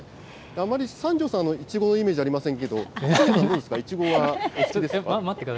あまり三條さん、いちごのイメージありませんけど、どうですか、いちごはお好きですか。